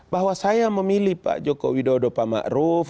bahwa saya memilih pak jokowi dodo pak ma'ruf